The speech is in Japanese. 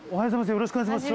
よろしくお願いします。